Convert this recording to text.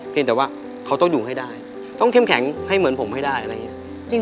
แต่ว่าเขาต้องอยู่ให้ได้ต้องเข้มแข็งให้เหมือนผมให้ได้อะไรอย่างนี้